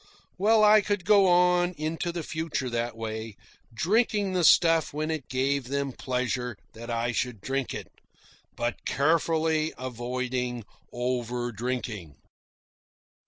Well, I could go on into the future that way, drinking the stuff when it gave them pleasure that I should drink it, but carefully avoiding over drinking.